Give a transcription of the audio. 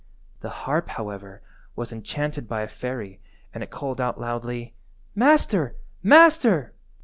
The harp, however, was enchanted by a fairy, and it called out loudly— "Master, master!"